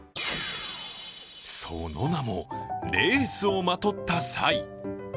その名も「レースをまとった犀」。